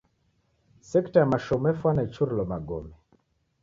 Sekta ya mashomo efwana ichurilo magome.